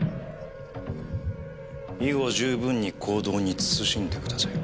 以後十分に行動に謹んでください。